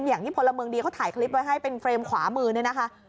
พลเมืองดีเขาถ่ายคลิปไว้ให้เป็นเฟรมขวามือเนี่ยนะคะ